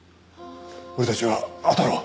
俺たちがあたろう。